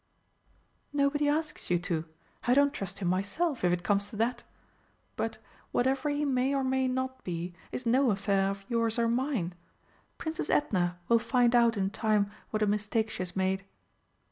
"Nobody asks you to. I don't trust him myself, if it comes to that. But, whatever he may or may not be is no affair of yours or mine. Princess Edna will find out in time what a mistake she has made."